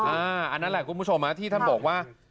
อันนั้นแหละคุณผู้ชมที่ท่านบอกว่า